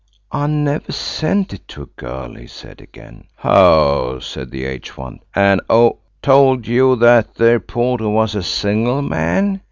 "I never sent it to a girl," he said again. "Ho," said the aged one. "An' who told you that there porter was a single man?